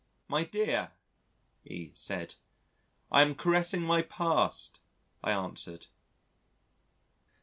"My dear!" E said. "I am caressing my past," I answered.